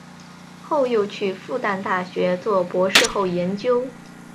后又去复旦大学做博士后研究。